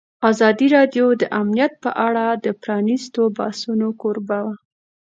ازادي راډیو د امنیت په اړه د پرانیستو بحثونو کوربه وه.